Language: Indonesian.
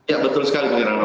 ya betul sekali bung kirano